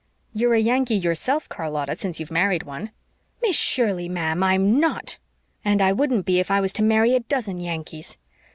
"You're a Yankee yourself, Charlotta, since you've married one." "Miss Shirley, ma'am, I'm NOT! And I wouldn't be if I was to marry a dozen Yankees!